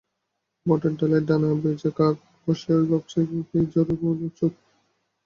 বটের ডালে ডানা ভিজেকাক বসে ওই ভাবছে কী যে, চড়ুইগুলো চুপ।